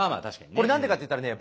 これ何でかっていったらね